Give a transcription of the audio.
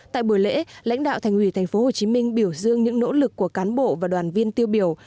tại buổi lễ lãnh đạo thành ủy tp hcm biểu dương những nỗ lực của cán bộ và đoàn viên tiêu biểu